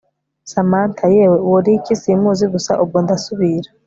Samantha yewe uwo Rick simuzi gusa ubwo ndasubira